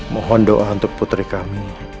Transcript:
mohon doa untuk putri kami